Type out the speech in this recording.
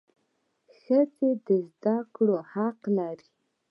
ښځي د زده کړو حق لري.